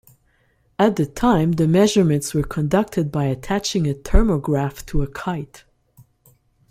At the time the measurements were conducted by attaching a thermograph to a kite.